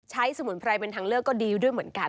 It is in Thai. สมุนไพรเป็นทางเลือกก็ดีด้วยเหมือนกัน